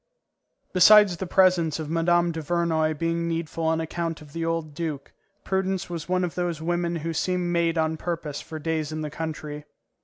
Besides the presence of Mme. Duvernoy being needful on account of the old duke, Prudence was one of those women who seem made on purpose for days in the country.